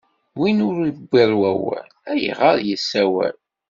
Win ur iwwiḍ wawal, ayɣeṛ issawal?